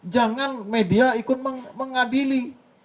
jangan media ikut mengadili